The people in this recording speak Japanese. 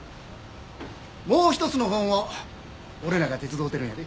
もう一つのほうも俺らが手伝うてるんやで。